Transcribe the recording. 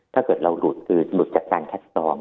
ถ้าเกิดเราหลุดหลุดจากการแท็กซอม